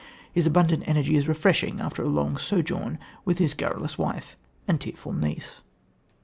His abundant energy is refreshing after a long sojourn with his garrulous wife and tearful niece.